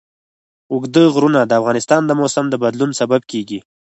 اوږده غرونه د افغانستان د موسم د بدلون سبب کېږي.